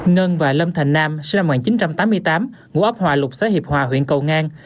ngân và lâm thành nam sẽ ra ngoài một nghìn chín trăm tám mươi tám ngũ ấp hòa lục xã hiệp hòa huyện cầu ngang